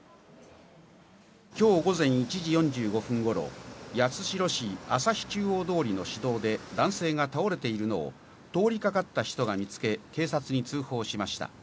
今日午前１時４５分頃、八代市旭中央通の市道で男性が倒れているのを通りがかった人が見つけ、警察に通報しました。